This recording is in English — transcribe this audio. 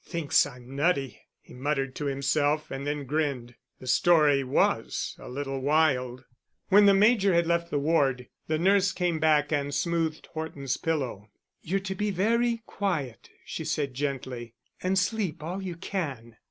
"Thinks I'm nutty," he muttered to himself, and then grinned. The story was a little wild. When the Major had left the ward, the nurse came back and smoothed Horton's pillow. "You're to be very quiet," she said gently, "and sleep all you can."